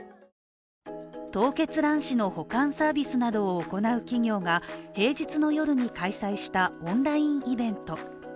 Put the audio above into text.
凍結卵子の保管サービスなどを行う企業が平日の夜に開催したオンラインイベント。